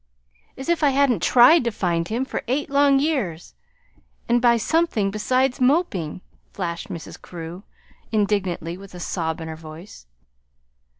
"As if I hadn't TRIED to find him, for eight long years and by something besides moping," flashed Mrs. Carew, indignantly, with a sob in her voice.